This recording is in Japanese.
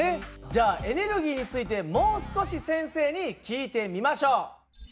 じゃあエネルギーについてもう少し先生に聞いてみましょう。